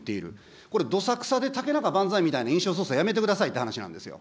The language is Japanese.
これどさくさで、竹中万歳みたいな印象操作やめてくださいって話なんですよ。